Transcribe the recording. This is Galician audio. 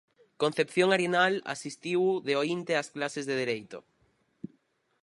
Concepción Arenal asistiu de oínte ás clases de Dereito.